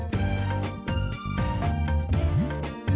hanya untuk cinta yang suci sekali